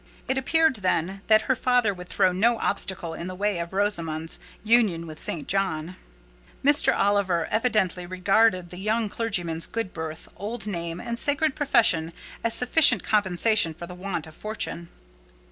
It appeared, then, that her father would throw no obstacle in the way of Rosamond's union with St. John. Mr. Oliver evidently regarded the young clergyman's good birth, old name, and sacred profession as sufficient compensation for the want of fortune.